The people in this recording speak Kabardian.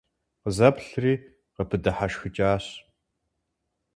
Къызэплъри, къыпыдыхьэшхыкӀащ.